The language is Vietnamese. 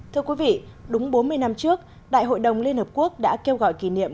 thưa quý vị đúng bốn mươi năm trước đại hội đồng liên hợp quốc đã kêu gọi kỷ niệm